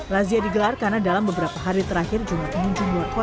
lazia digelar karena dalam beberapa hari terakhir jumat ini sudah berakhir